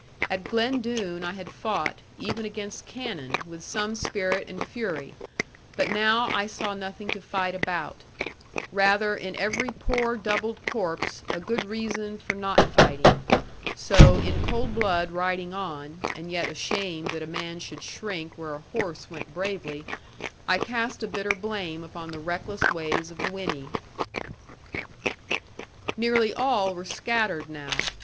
At Glen Doone I had fought, even against cannon, with some spirit and fury: but now I saw nothing to fight about; but rather in every poor doubled corpse, a good reason for not fighting. So, in cold blood riding on, and yet ashamed that a man should shrink where a horse went bravely, I cast a bitter blame upon the reckless ways of Winnie. Nearly all were scattered now.